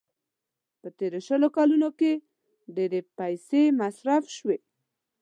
په تېرو شلو کلونو کې ډېرې پيسې مصرف شوې.